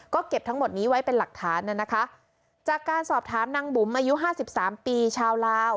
ก็เก็บทั้งหมดนี้ไว้เป็นหลักฐานน่ะนะคะจากการสอบถามนางบุ๋มอายุห้าสิบสามปีชาวลาว